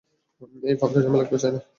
এই ফালতু ঝামেলা কেউ চায় না।